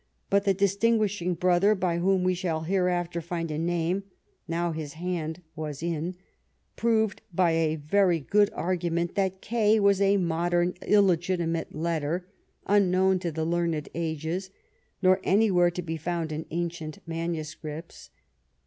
But the distinguishing brother, for whom we shall hereafter find a name, now his hand was in, proved, by a very good argument, that K was a modem illegitimate letter, unknown to the learned ages, nor any where to be found in ancient manuscripts.